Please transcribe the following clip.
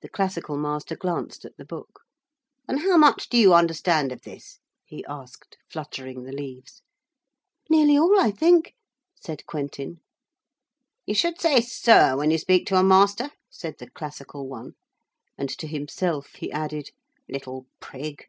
The classical master glanced at the book. 'And how much do you understand of this?' he asked, fluttering the leaves. 'Nearly all, I think,' said Quentin. 'You should say "sir" when you speak to a master,' said the classical one; and to himself he added, 'little prig.'